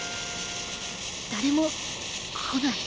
誰もこない。